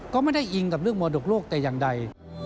ก็ไม่ได้อิงกับเรื่องมรดกโลกแต่อย่างใด